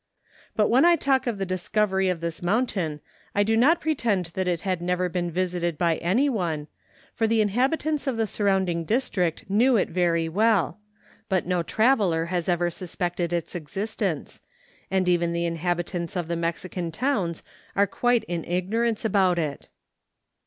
But when I talk of the discovery of this mountain, I do not pretend that it had never been visited by any one, for the inhabitants of the surrounding district knew it very well; but no traveller has ever suspected its existence, and even the inhabitants of the Mexi¬ can towns are quite in ignorance about it.